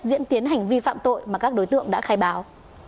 diễn tiến hành vi phạm tội mà các đối tượng đã khai báo